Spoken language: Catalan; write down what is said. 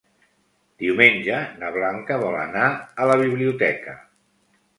Diumenge na Blanca vol anar a la biblioteca.